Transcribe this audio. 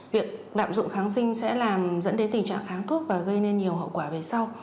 việc lạm dụng kháng sinh sẽ làm dẫn đến tình trạng kháng thuốc và gây nên nhiều hậu quả về sau